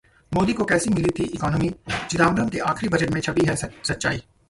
मोदी को कैसी मिली थी इकोनॉमी? चिदंबरम के आखिरी बजट में छिपी है सच्चाई